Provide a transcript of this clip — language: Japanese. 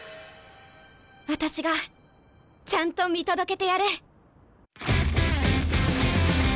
私がちゃんと見届けてやる。